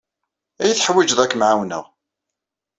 Ad iyi-teḥwijed ad kem-ɛawneɣ.